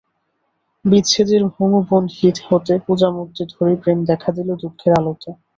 বিচ্ছেদের হোমবহ্নি হতে পূজামূর্তি ধরি প্রেম দেখা দিল দুঃখের আলোতে।